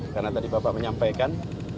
karena tadi bapak menyampaikan